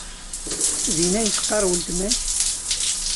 Din ay teqqar weltma-k?